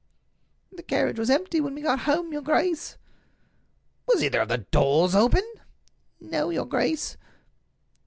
"The carriage was empty when we got home, your grace." "Was either of the doors open?" "No, your grace."